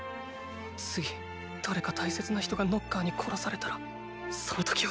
次誰か大切な人がノッカーに殺されたらその時は！